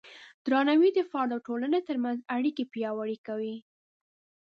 درناوی د فرد او ټولنې ترمنځ اړیکې پیاوړې کوي.